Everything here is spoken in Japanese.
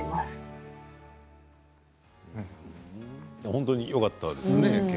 本当によかったですね。